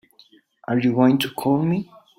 Are you going to call me?